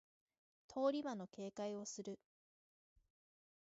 通り魔の警戒をする